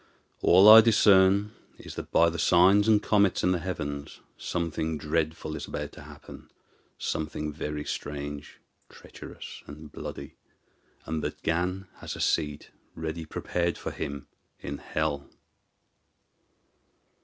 All I discern is that by the signs and comets in the heavens something dreadful is about to happen something very strange, treacherous, and bloody; and that Gan has a seat ready prepared for him in hell."